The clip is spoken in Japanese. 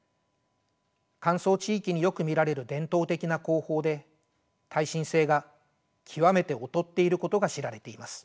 乾燥地域によく見られる伝統的な工法で耐震性が極めて劣っていることが知られています。